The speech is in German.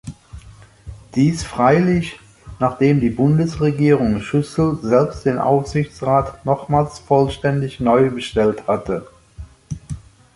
Dies freilich, nachdem die Bundesregierung Schüssel selbst den Aufsichtsrat nochmals vollständig neu bestellt hatte.